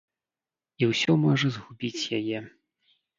І ўсё можа згубіць яе.